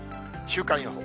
週間予報。